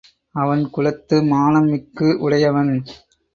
அவன் குலத்து மானம் மிக்கு உடையவன்.